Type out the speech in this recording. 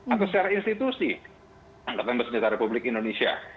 atau secara institusi angkatan bersenjata republik indonesia